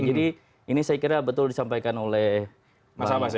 ini saya kira betul disampaikan oleh mas ahmad ya